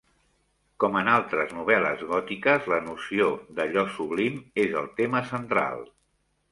Com en altres novel·les gòtiques, la noció d'allò sublim és el tema central.